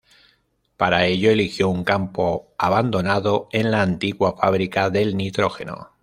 Para ello eligió un campo abandonado en la antigua Fábrica del Nitrógeno.